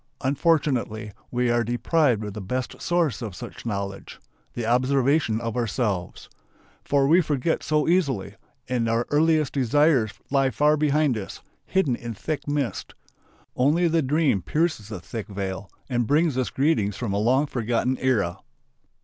Unfortunately we are deprived of the best source of such knowledge: the observation of ourselves. For we forget so easily, and our earliest desires lie far behind us, hidden in thick mist. Only the dream pierces the thick veil and brings us greetings from a long forgotten era.